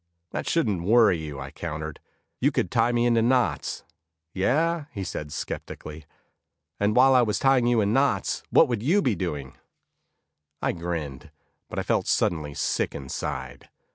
"That shouldn't worry you," I countered, "You could tie me into knots." "Yeah?" he said skeptically, "And while I was tying you in knots, what would you be doing?" I grinned, but I felt suddenly sick inside.